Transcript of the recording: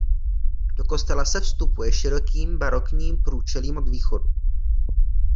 Do kostela se vstupuje širokým barokním průčelím od východu.